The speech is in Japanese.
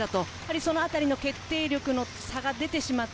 そのあたりの決定力の差が出てしまった、